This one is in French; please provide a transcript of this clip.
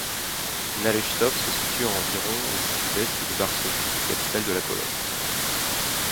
Nałęczów se situe à environ au sud-est de Varsovie, capitale de la Pologne.